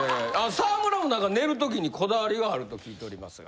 沢村も何か寝る時にこだわりがあると聞いておりますが。